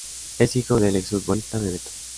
Es hijo del exfutbolista Bebeto.